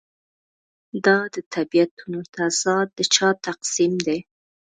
دا د طبیعتونو تضاد د چا تقسیم دی.